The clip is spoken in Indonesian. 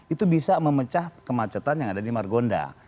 itu bisa memecah kemacetan yang ada di margonda